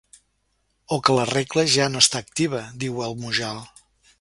O que la regla ja no està activa —diu el Mujal—.